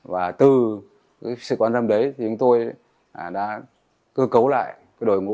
và từ sự quan tâm đấy chúng tôi đã cơ cấu lại đội ngũ